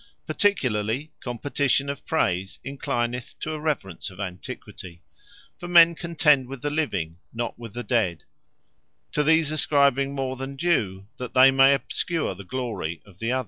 Particularly, competition of praise, enclineth to a reverence of Antiquity. For men contend with the living, not with the dead; to these ascribing more than due, that they may obscure the glory of the other.